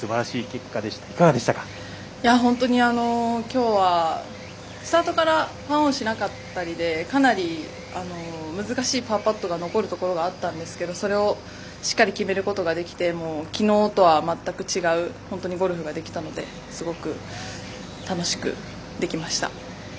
本当にきょうはスタートからパーオンしなかったりでかなり難しいパーパットが残るところがあったんですけど、それをしっかり決めることができてきのうとは全く違うゴルフができたのですごく楽しくできました。